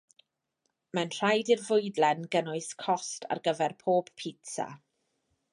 Mae'n rhaid i'r fwydlen gynnwys cost ar gyfer pob pitsa